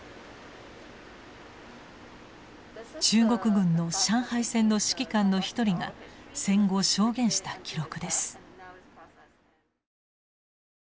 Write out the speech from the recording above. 中国軍の上海戦の指揮官の一人が戦後証言した記録です。